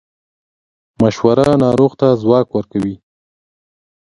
مشوره ناروغ ته ځواک ورکوي.